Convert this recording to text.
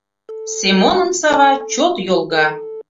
Семонын сава чот йолга